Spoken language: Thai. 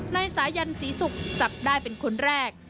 นายสายันศรีศุกร์จับได้เป็นคนแรก